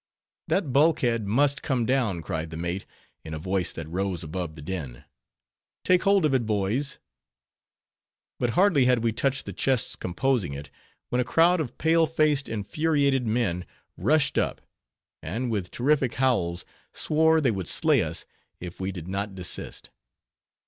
"That bulkhead must come down," cried the mate, in a voice that rose above the din. "Take hold of it, boys." But hardly had we touched the chests composing it, when a crowd of pale faced, infuriated men rushed up; and with terrific howls, swore they would slay us, if we did not desist.